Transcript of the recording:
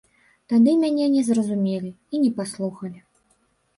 Тады мяне не зразумелі і не паслухалі.